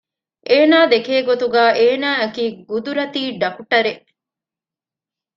އޭނާ ދެކޭ ގޮތުގައި އޭނާއަކީ ގުދުރަތީ ޑަކުޓަރެއް